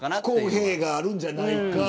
不公平があるんじゃないか。